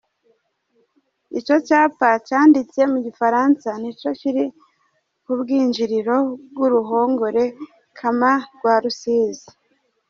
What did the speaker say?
Ico capa canditse mu gifaransa nico kiri ku bwinjiriro bw’uruhongore Kama rwa Rusizi.